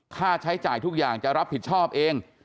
ค่าใช้จ่ายทุกอย่างจะรับผิดชอบเอง